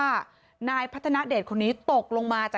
อาจจะหน้ามืดหรือว่านั่งแล้วหงายหลังพลาดท่า